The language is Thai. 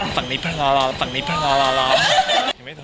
ฝั่งนี้พระธรรม